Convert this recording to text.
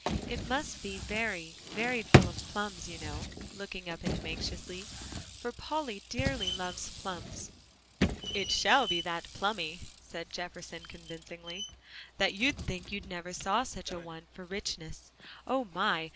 It must be very, very full of plums, you know," looking up at him anxiously, "for Polly dearly loves plums." "It shall be that plummy," said Jefferson convincingly, "that you'd think you never saw such a one for richness. Oh, my!